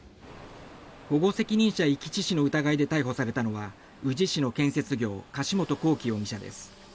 保護責任者遺棄致死の疑いで逮捕されたのは宇治市の建設業柏本光樹容疑者です。